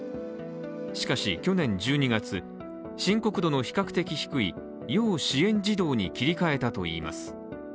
しかし、去年１２月深刻度の比較的低い要支援児童に切り替えたといいます。